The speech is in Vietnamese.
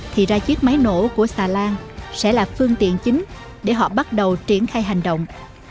thì ra chiếc máy nổ của xà lan sẽ là phương tiện chính để họ bắt đầu triển khai hành động